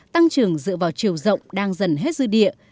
tăng trưởng dựa vào chiều rộng đang dần hết dư địa